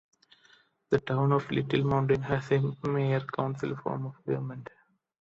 The Town of Little Mountain has a mayor council form of government.